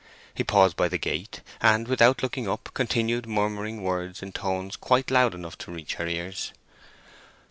He paused by the gate, and, without looking up, continued murmuring words in tones quite loud enough to reach her ears.